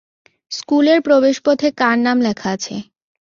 স্কুলের প্রবেশপথে কার নাম লেখা আছে?